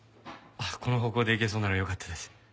この方向でいけそうならよかったです。